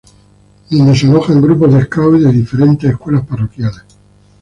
Donde se alojan Grupos de Scouts y de diferentes escuelas parroquiales.